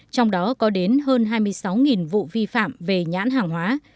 trong đó có đến hơn hai mươi sáu vụ vi phạm về nhãn hàng hóa